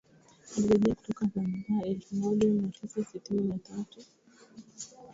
alirejea kutoka Zanzibar elfu moja mia tisa sitini na tatu mwaka ambao visiwa hivyo